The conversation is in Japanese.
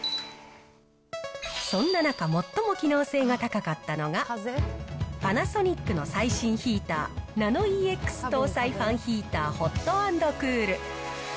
そんな中、最も機能性が高かったのが、パナソニックの最新ヒーター、ナノイーＸ搭載ファンヒーターＨｏｔ＆Ｃｏｏｌ。